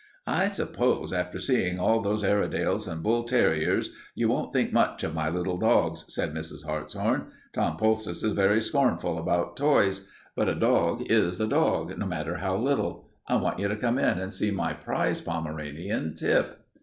"I suppose, after seeing all those Airedales and bull terriers, you won't think much of my little dogs," said Mrs. Hartshorn. "Tom Poultice is very scornful about toys. But a dog is a dog, no matter how little. I want you to come in and see my prize Pomeranian, Tip."